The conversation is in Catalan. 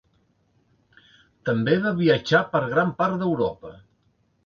També va viatjar per gran part d'Europa.